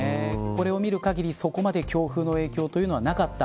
これを見る限り、そこまで強風の影響はなかった。